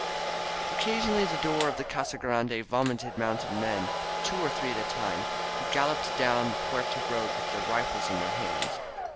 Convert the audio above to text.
Occasionally the door of the Casa Grande vomited mounted men — two or three at a time — ^who galloped down the Puerta road with their rifles in their hands.